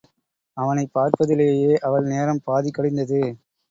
அவனைப் பார்ப்பதிலேயே அவள் நேரம் பாதி கழிந்தது.